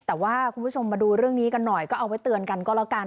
แต่ว่าคุณผู้ชมมาดูเรื่องนี้กันหน่อยก็เอาไว้เตือนกันก็แล้วกัน